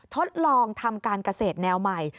ทดลองทำการเกษตรแนวใหม่